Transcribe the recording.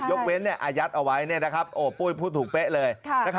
ยกเว้นอายัดเอาไว้ปุ้ยพูดถูกเป๊ะเลย